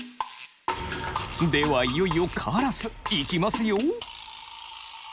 ではいよいよカラス。いきますよ。